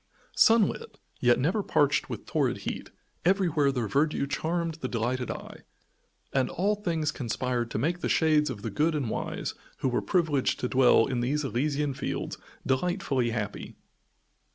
Sunlit, yet never parched with torrid heat, everywhere their verdure charmed the delighted eye, and all things conspired to make the shades of the good and wise, who were privileged to dwell in these Elysian Fields, delightfully happy.